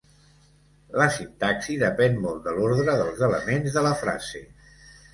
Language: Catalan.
La sintaxi depèn molt de l'ordre dels elements de la frase.